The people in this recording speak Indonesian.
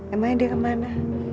emang dia kemana